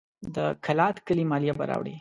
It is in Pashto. د کلات کلي مالیه به راوړي.